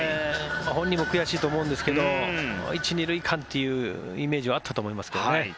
本人も悔しいと思うんですけど１・２塁間というイメージはあったと思いますけどね。